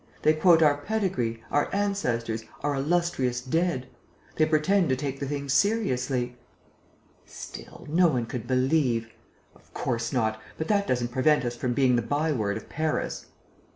They quote our pedigree, our ancestors, our illustrious dead. They pretend to take the thing seriously...." "Still, no one could believe...." "Of course not. But that doesn't prevent us from being the by word of Paris."